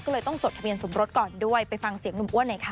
ก็เลยต้องจดทะเบียนสมรสก่อนด้วยไปฟังเสียงหนุ่มอ้วนหน่อยค่ะ